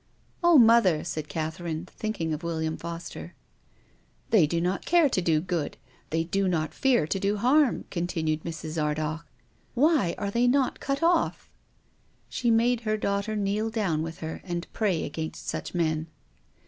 "Oh, mother!" said Catherine, thinking of "William Foster." " They do not care to do good, they do not fear to do harm," continued Mrs. Ardagh. " Why are they not cut off? " She made her daughter kneel down with her and pray against such men.